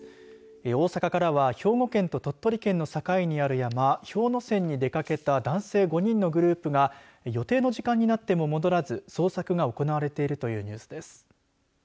大阪からは兵庫県と鳥取県の境にある山氷ノ山に出かけた男性５人のグループが予定の時間になっても戻らず捜索が行われているというニュースです。